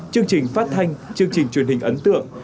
chương trình phát thanh chương trình truyền hình ấn tượng